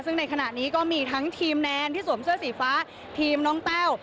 ซึ่งในขณะนี้ก็มีทั้งทีมแนนที่สวมเสื้อสีฟ้าทีมน้องแต้ว